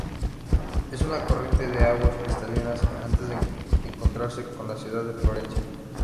Es una corriente de aguas cristalinas antes de encontrarse con la ciudad de Florencia.